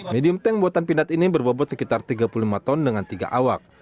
medium tank buatan pindad ini berbobot sekitar tiga puluh lima ton dengan tiga awak